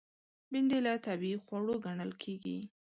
بېنډۍ له طبیعي خوړو ګڼل کېږي